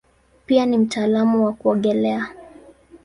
Pia ni mtaalamu wa kuogelea.